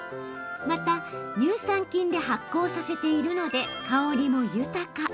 また、乳酸菌で発酵させているので香りも豊か。